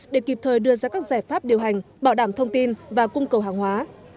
để kịp thời đưa ra các giải pháp điều hành bảo đảm thông tin và cung cầu hàng hóa